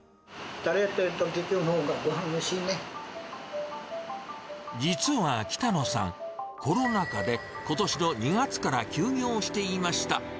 働いているときのほうがごは実は北野さん、コロナ禍でことしの２月から休業していました。